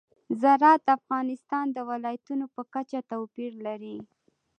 زراعت د افغانستان د ولایاتو په کچه توپیر لري.